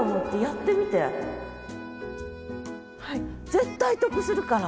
絶対得するから！